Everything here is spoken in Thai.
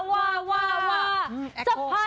ว่าว่าว่าว่า